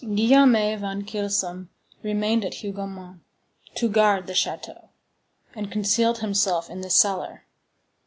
Guillaume van Kylsom remained at Hougomont, "to guard the château," and concealed himself in the cellar.